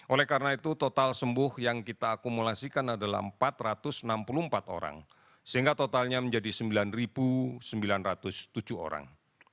oleh karena itu total sembuh yang kita akumulasikan adalah empat ratus enam puluh empat orang sehingga totalnya menjadi sembilan sembilan ratus tujuh orang